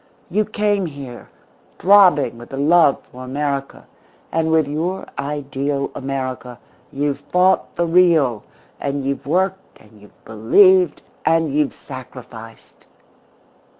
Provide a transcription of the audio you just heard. You came here, throbbing with the love for America; and with your ideal America you've fought the real, and you've worked and you've believed and you've sacrificed.